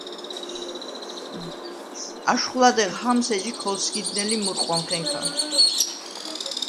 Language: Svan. აშხვ ლადეღ ჰამს ეჯი ქოლსგიდნელი მურყვამხენქა.